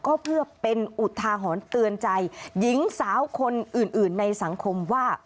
ก็เพื่อเป็นอุทาหรณ์เตือนใจหญิงสาวคนอื่นในสังคมว่า